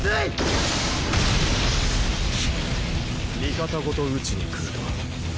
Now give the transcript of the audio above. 味方ごと討ちにくるとは。